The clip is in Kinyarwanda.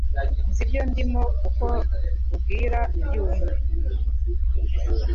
nzi ibyo ndi mo kuku bwira byu mve.